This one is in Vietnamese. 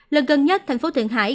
lần gần nhất thành phố thượng hải